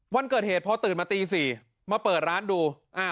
วันเกิดเหตุพอตื่นมาตี๔มาเปิดร้านดู